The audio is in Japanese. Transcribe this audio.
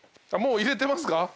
もう入れてますか？